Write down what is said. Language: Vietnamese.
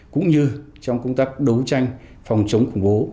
cũng như trong công tác đấu tranh phòng chống khủng bố